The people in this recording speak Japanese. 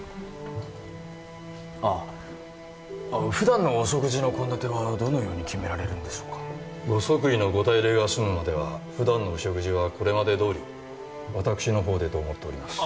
ああ普段のお食事の献立はどのように決められるんでしょうご即位のご大礼が済むまでは普段のお食事はこれまでどおり私のほうでと思っております